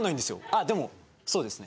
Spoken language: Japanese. あっでもそうですね。